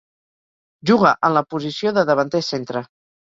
Juga en la posició de davanter centre.